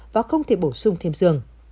và không thể bổ sung thêm giường